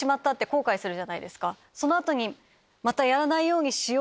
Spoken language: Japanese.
その後に。